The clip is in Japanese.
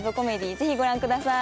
ぜひご覧ください。